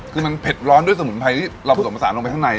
คือมันเผ็ดร้อนด้วยสมุนไพรที่เราผสมผสานลงไปข้างใน